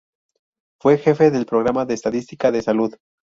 Fue jefe del Programa de Estadística de Salud.